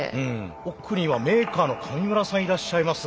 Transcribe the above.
奥にはメーカーの上村さんいらっしゃいますが。